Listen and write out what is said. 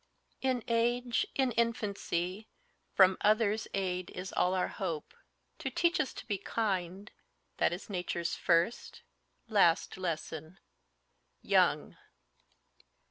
"In age, in infancy, from others' aid Is all our hope; to teach us to be kind, That nature's first, last lesson." YOUNG.